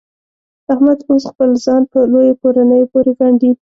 احمد اوس خپل ځان په لویو کورنیو پورې ګنډي.